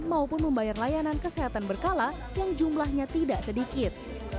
maupun membayar layanan kesehatan berkala yang jumlahnya tidak sedikit